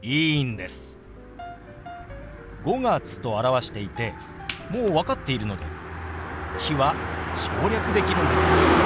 「５月」と表していてもう分かっているので「日」は省略できるんです。